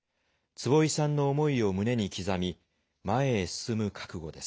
坪井さんの思いを胸に刻み、前へ進む覚悟です。